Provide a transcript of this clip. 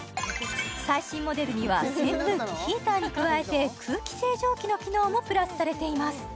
最新モデルには扇風機ヒーターに加えて空気清浄機の機能もプラスされています